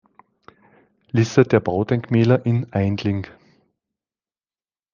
Liste der Baudenkmäler in Aindling